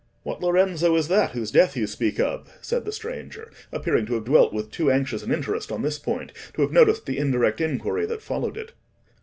"What Lorenzo is that whose death you speak of?" said the stranger, appearing to have dwelt with too anxious an interest on this point to have noticed the indirect inquiry that followed it.